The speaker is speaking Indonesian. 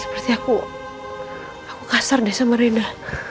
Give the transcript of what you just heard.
seperti aku aku kasar deh sama rena